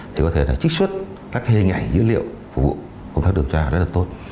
thì có thể là trích xuất các hình ảnh dữ liệu của công tác điều tra rất là tốt